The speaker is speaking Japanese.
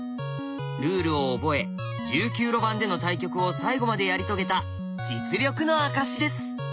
ルールを覚え１９路盤での対局を最後までやり遂げた実力の証しです。